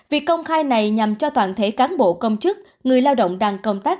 việc công khai này nhằm cho toàn thể cán bộ công chức người lao động đang công tác